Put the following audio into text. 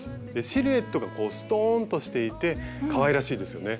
シルエットがこうストーンとしていてかわいらしいですよね。